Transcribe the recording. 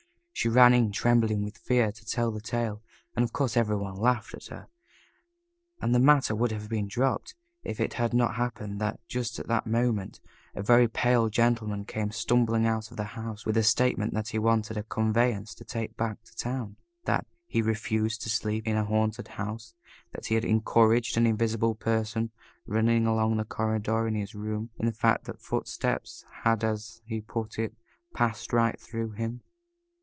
She ran in, trembling with fear, to tell the tale, and of course every one laughed at her, and the matter would have been dropped, if it had not happened that, just at that moment a very pale gentleman came stumbling out of the house with the statement that he wanted a conveyance "to take him back to town," that "he refused to sleep in a haunted house," that he "had encountered an invisible person running along the corridor to his room," in fact the footsteps had as he put it "passed right through him."